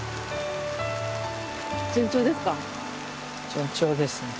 順調ですか？